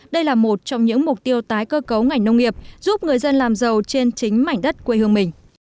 đây là một trong những mục tiêu tái cơ cấu ngành nông nghiệp giúp người dân làm giàu trên chính mảnh đất quê hương mình